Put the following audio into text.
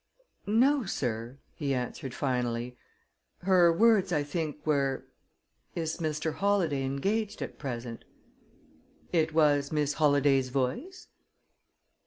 "No, sir," he answered finally. "Her words, I think, were, 'Is Mr. Holladay engaged at present?'" "It was Miss Holladay's voice?"